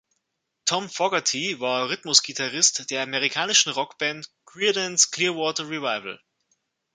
Tom Fogerty war Rhythmusgitarrist der amerikanischen Rockband Creedence Clearwater Revival.